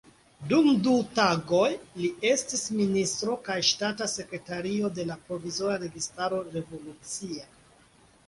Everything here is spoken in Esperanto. Dum du tagoj li estis ministro kaj ŝtata sekretario de la provizora registaro revolucia.